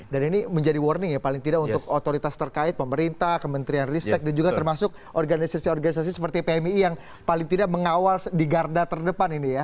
dan ini menjadi warning ya paling tidak untuk otoritas terkait pemerintah kementerian ristek dan juga termasuk organisasi organisasi seperti pmi yang paling tidak mengawal di garda terdepan ini ya